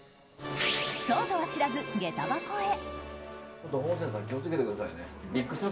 そうとは知らず、下駄箱へ。